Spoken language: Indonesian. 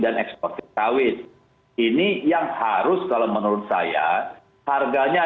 ekspor sawit ini yang harus kalau menurut saya harganya